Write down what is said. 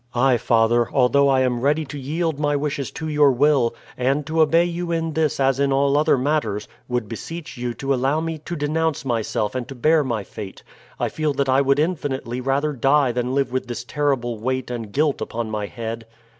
"I, father, although I am ready to yield my wishes to your will, and to obey you in this as in all other matters, would beseech you to allow me to denounce myself and to bear my fate. I feel that I would infinitely rather die than live with this terrible weight and guilt upon my head."